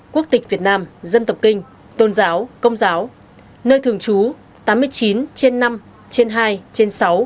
quốc tịch việt nam dân tộc kinh tôn giáo công giáo nơi thường trú tám mươi chín trên năm trên hai trên sáu